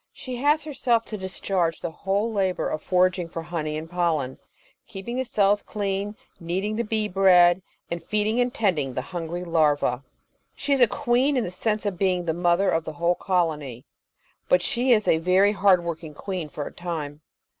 She has herself to discharge the whole labour of foraging for honey and pollen, keeping the cells clean, kneading the bee bread, and feeding and tending the hungry larvae. She is a queen in the sense of being the mother of the whole colony, but she is a very hard working queen for a time.